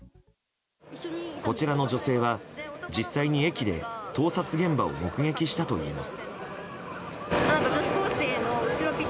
こちらの女性は実際に駅で盗撮現場を目撃したといいます。